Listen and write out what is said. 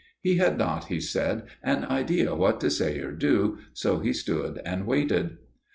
He had not, he said, an idea what to say or do, so he stood and waited.